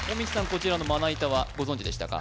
こちらの俎はご存じでしたか？